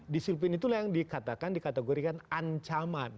disiplin itulah yang dikatakan dikategorikan ancaman